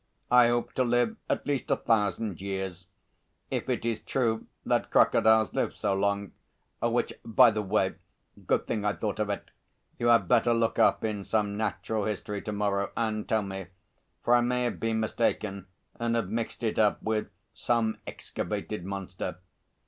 I hope to live at least a thousand years, if it is true that crocodiles live so long, which, by the way good thing I thought of it you had better look up in some natural history to morrow and tell me, for I may have been mistaken and have mixed it up with some excavated monster.